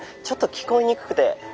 ちょっと聞こえにくくて。